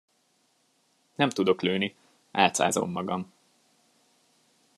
Nem tudok lőni, álcázom magam.